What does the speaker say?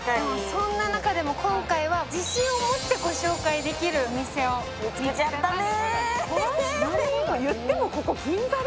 そんな中でも今回は自信を持ってご紹介できるお店を見つけちゃったね。